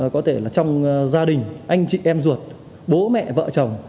có thể là trong gia đình anh chị em ruột bố mẹ vợ chồng